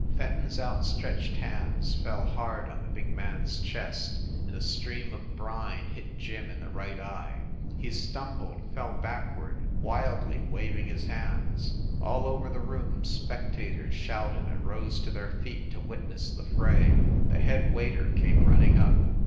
Fen ton s outstretched hands fell hard on the big man s chest, and a stream of brine hit Jim in the right eye. He stumbled, fell backward, wildly waving his hands. All over the room spectators shouted and rose to their feet to witness the fray. The head waiter came running up.